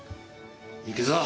行くぞ。